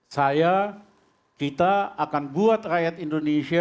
saya kita akan buat rakyat indonesia